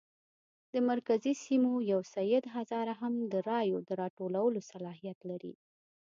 د مرکزي سیمو یو سید هزاره هم د رایو د راټولولو صلاحیت لري.